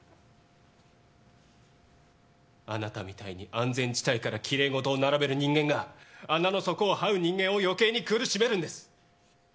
あなたみたいに安全地帯からきれいごとを並べる人間が穴の底を這う人間を余計に苦しめるんです。